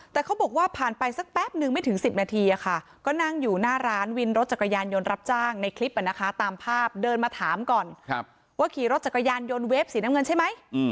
แต่เขาบอกว่าผ่านไปสักแป๊บนึงไม่ถึง๑๐นาทีก็นั่งอยู่หน้าร้านวินรถจักรยานยนต์รับจ้างในคลิปตามภาพเดินมาถามก่อนว่าขี่รถจักรยานยนต์เวฟสีน้ำเงินใช่ไหม